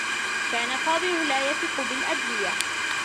كان فاضل لا يثق بالأدوية.